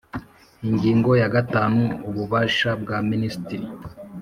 Ingingo ya gatanu Ububasha bwa Minisitiri